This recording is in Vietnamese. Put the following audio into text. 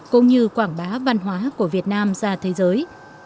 cũng như quảng bá văn hóa của việt nam ra thế giới